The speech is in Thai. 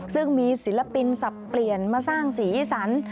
ซึ่งมีศิลปินสับเปลี่ยนมาสร้างสีสัน